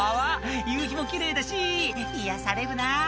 「夕日も奇麗だし癒やされるな」